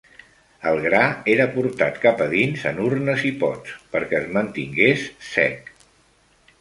El gra era portat cap a dins en urnes i pots perquè es mantingués sec.